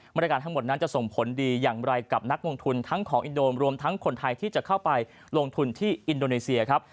มาตรการทั้งหมดนั้นจะส่งผลดีอย่างไรกับนักลงทุนทั้งของอินโดมรวมทั้งคนไทยที่จะเข้าไปลงทุนที่อินโดนีเซียครับ